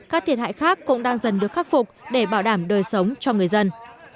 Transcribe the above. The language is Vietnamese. các thiệt hại khác cũng đang dần được khắc phục để bảo đảm đời sống cho người dân